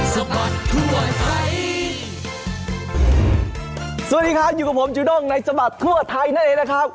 สวัสดีครับอยู่กับผมจูด้งในสบัดทั่วไทยนั่นเองนะครับ